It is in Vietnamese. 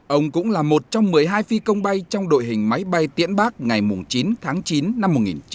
ông cũng là một trong một mươi hai phi công bay trong đội hình máy bay tiễn bác ngày chín tháng chín năm một nghìn chín trăm bảy mươi